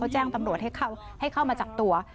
เขาแจ้งตำรวจให้เข้าให้เข้ามาจับตัว